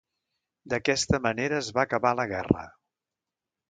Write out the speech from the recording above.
D'aquesta manera es va acabar la guerra.